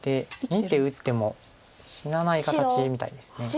２手打っても死なない形みたいです。